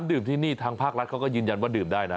ดื่มที่นี่ทางภาครัฐเขาก็ยืนยันว่าดื่มได้นะ